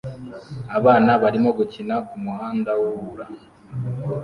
Abana barimo gukina kumuhanda wubura